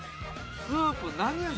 スープ何味？